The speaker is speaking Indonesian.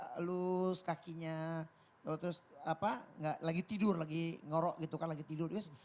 saya besuk saya lus kakinya terus apa lagi tidur lagi ngorok gitu kan lagi tidur